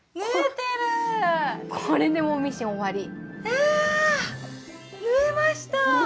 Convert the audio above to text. あ縫えました！